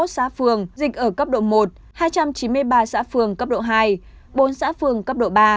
hai trăm tám mươi một xã phương dịch ở cấp độ một hai trăm chín mươi ba xã phương cấp độ hai bốn xã phương cấp độ ba